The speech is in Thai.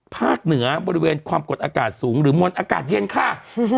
เหนือบริเวณความกดอากาศสูงหรือมวลอากาศเย็นค่ะ